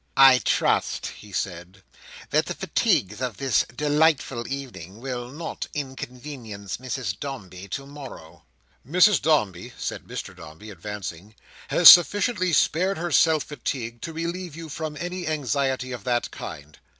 "I trust," he said, "that the fatigues of this delightful evening will not inconvenience Mrs Dombey to morrow." "Mrs Dombey," said Mr Dombey, advancing, "has sufficiently spared herself fatigue, to relieve you from any anxiety of that kind.